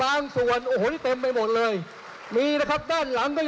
อ่าอยู่ไหนป่ะครับอดีตสอสอของประเทศไทย